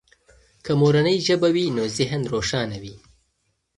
که مورنۍ ژبه وي نو ذهن روښانه وي.